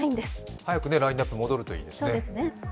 早くラインナップ、戻るといいですね。